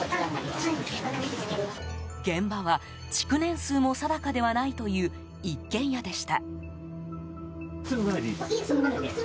現場は、築年数も定かではないという一軒家でした。